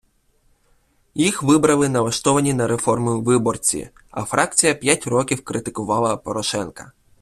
Їх вибрали налаштовані на реформи виборці, а фракція п’ять років критикувала Порошенка.